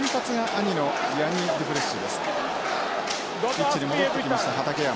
ピッチに戻ってきました畠山。